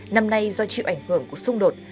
năm nay do chịu ảnh hưởng của xung đột